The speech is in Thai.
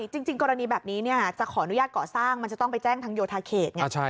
จริงกรณีแบบนี้จะขออนุญาตก่อสร้างมันจะต้องไปแจ้งทางโยธาเขตไง